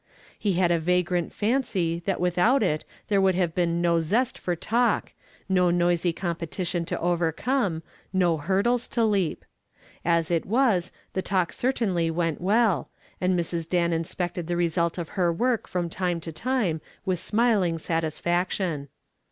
He had a vagrant fancy that without it there would have been no zest for talk, no noisy competition to overcome, no hurdles to leap. As it was, the talk certainly went well, and Mrs. Dan inspected the result of her work from time to time with smiling satisfaction.